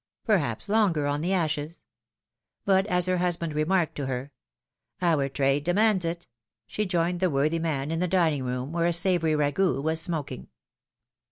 perhaps longer, on the ashes I But as her husband remarked to her: ^^Our trade demands it!" she joined the worthy man in the dining room, where a savory ragout was smoking.